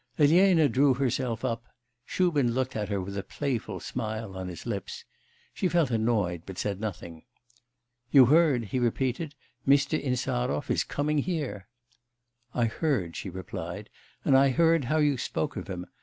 Elena drew herself up. Shubin looked at her with a playful smile on his lips. She felt annoyed, but said nothing. 'You heard,' he repeated, 'Mr. Insarov is coming here.' 'I heard,' she replied; 'and I heard how you spoke of him.